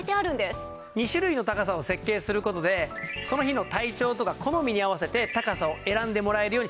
２種類の高さを設計する事でその日の体調とか好みに合わせて高さを選んでもらえるようにしました。